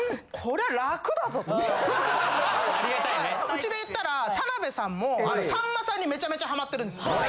うちで言ったら田辺さんもさんまさんにめちゃめちゃハマってるんです。